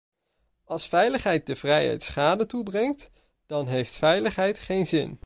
Als veiligheid de vrijheid schade toebrengt, dan heeft veiligheid geen zin.